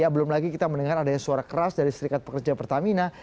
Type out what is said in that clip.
belum lagi kita mendengar adanya suara keras dari serikat pekerja pertamina